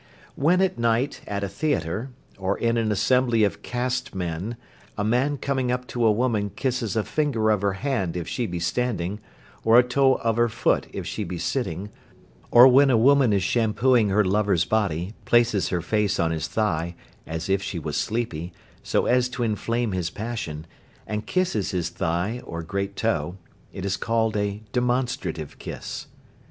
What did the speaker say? When at night at a theatre, or in an assembly of caste men, a man coming up to a woman kisses a finger of her hand if she be standing, or a toe of her foot if she be sitting, or when a woman is shampooing her lover's body, places her face on his thigh (as if she was sleepy) so as to inflame his passion, and kisses his thigh or great toe, it is called a "demonstrative kiss."